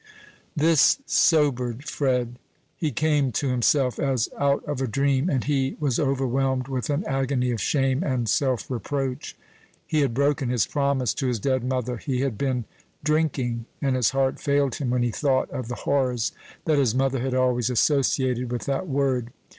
This sobered Fred. He came to himself as out of a dream, and he was overwhelmed with an agony of shame and self reproach. He had broken his promise to his dead mother he had been drinking! and his heart failed him when he thought of the horrors that his mother had always associated with that word.